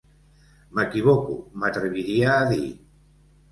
M'equivoco, m'atreviria a dir.